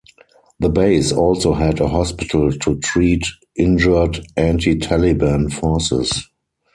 The base also had a hospital to treat injured anti-Taliban forces.